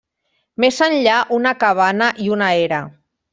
Més enllà una cabana i una era.